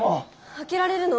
開けられるの？